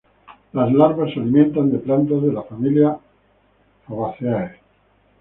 Las larvas se alimentan de plantas de la familia Fabaceae.